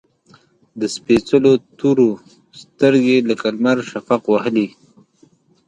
د سپیڅلو تورو، سترګې لکه لمر شفق وهلي